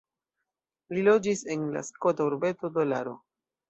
Li loĝis en la skota urbeto Dolaro.